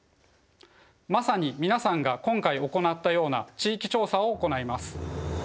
まさに皆さんが今回行ったような地域調査を行います。